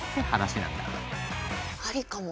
ありかも。